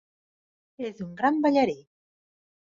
És un gran ballarí.